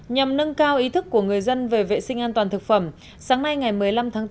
nhằm nâng cao ý thức của người dân về vệ sinh an toàn thực phẩm sáng nay ngày một mươi năm tháng bốn